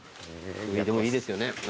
でもいいですよね。